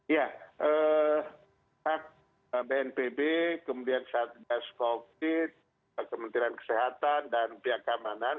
ya bnpb kemudian satgas covid kementerian kesehatan dan pihak keamanan